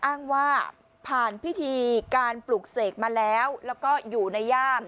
อ้างว่าผ่านพิธีการปลูกเสกมาแล้วแล้วก็อยู่ในย่าม